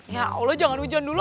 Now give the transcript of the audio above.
ya allah jangan hujan dulu